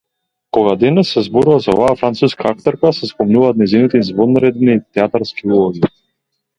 Кога денес се зборува за оваа француска актерка, се спомнуваат нејзините извонредни театарски улоги.